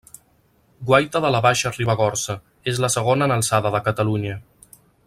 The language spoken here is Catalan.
Guaita de la Baixa Ribagorça, és la segona en alçada de Catalunya.